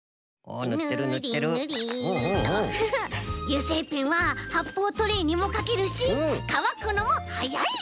油性ペンははっぽうトレーにもかけるしかわくのもはやい！